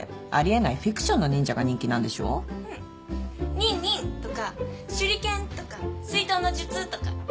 ニンニンとか手裏剣とか水遁の術とか。